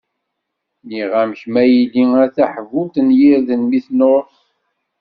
Nniɣ-am, kemm a yelli, a taḥbult n yirden mi tnuṛ.